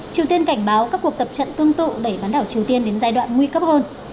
triều tiên cảnh báo các cuộc tập trận tương tự đẩy bán đảo triều tiên đến giai đoạn nguy cấp hơn